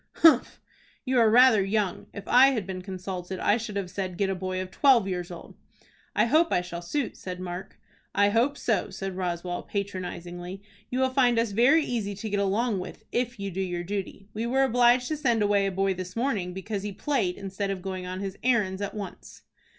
"Humph! You are rather young. If I had been consulted I should have said 'Get a boy of twelve years old.'" "I hope I shall suit," said Mark. "I hope so," said Roswell, patronizingly. "You will find us very easy to get along with if you do your duty. We were obliged to send away a boy this morning because he played instead of going on his errands at once."